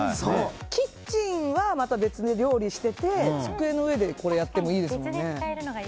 キッチンはまた別に料理してて机の上でこれやってもいいですもんね。